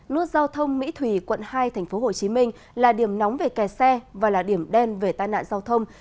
nút giao thông mỹ thủy quận hai tp hcm là điểm nóng về kẻ xe và là điểm đen về tai nạn giao thông